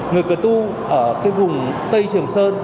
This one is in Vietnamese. người cờ tu ở cái vùng tây trường sơn